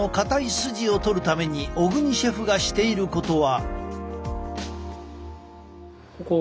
スジを取るために小國シェフがしていることは。